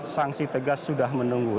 sanksi tegas sudah menunggu